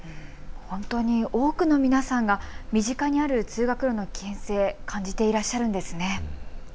本当に多くの皆さんが身近にある通学路の危険性を感じていらっしゃるんですね。